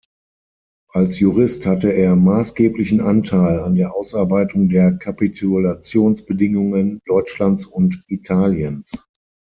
Als Jurist hatte er maßgeblichen Anteil an der Ausarbeitung der Kapitulationsbedingungen Deutschlands und Italiens.